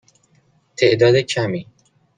تعداد کمی.